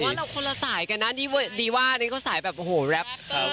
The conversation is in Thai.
เราคนละสายกันนะดีว่านี่เขาสายแบบโอ้โหแรป